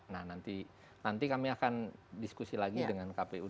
nah nanti kami akan diskusi lagi dengan kpu